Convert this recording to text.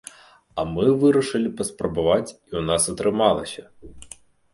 А мы вырашылі паспрабаваць, і ў нас атрымалася.